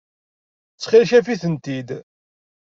Ttxil-k, af-iten-id.